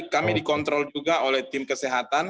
kami dikontrol juga oleh tim kesehatan